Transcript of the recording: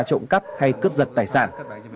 trộm cắp hay cướp giật tài sản